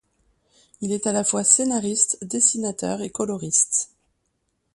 Il est à la fois scénariste, dessinateur et coloriste.